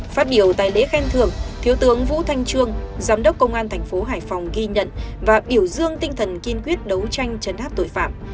phát biểu tại lễ khen thưởng thiếu tướng vũ thanh trương giám đốc công an thành phố hải phòng ghi nhận và biểu dương tinh thần kiên quyết đấu tranh chấn áp tội phạm